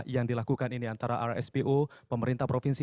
yang dilakukan ini antara rspo pemerintah provinsi